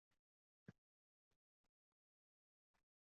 Bu gaplar elu xalqqa ovoza bo`lmagandi